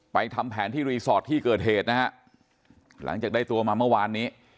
ทำแผนที่รีสอร์ทที่เกิดเหตุนะฮะหลังจากได้ตัวมาเมื่อวานนี้